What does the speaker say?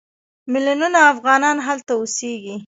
میلیونونه افغانان هلته اوسېږي.